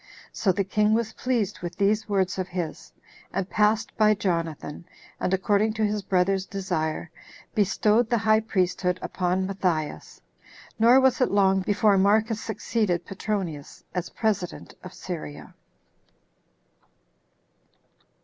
So the king was pleased with these words of his, and passed by Jonathan, and, according to his brother's desire, bestowed the high priesthood upon Matthias. Nor was it long before Marcus succeeded Petronius, as president of Syria.